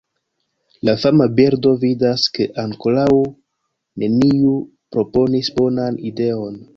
La fama birdo vidas ke ankoraŭ neniu proponis bonan ideon.